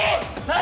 何？